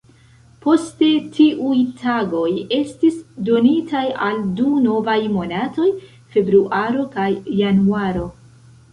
Poste tiuj tagoj estis donitaj al du novaj monatoj, februaro kaj januaro.